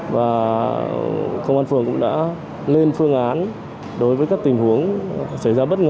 và công an phường cũng đã lên phương án đối với các tình huống xảy ra bất ngờ